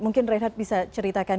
mungkin reinhardt bisa ceritakan